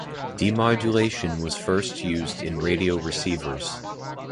Demodulation was first used in radio receivers.